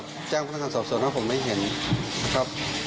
ไม่เห็นครับผมก็แจ้งพนักศัพท์ส่วนแล้วผมไม่เห็นครับ